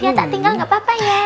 ya tak tinggal nggak apa apa ya